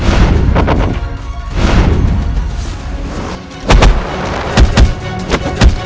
ini adalah hidupku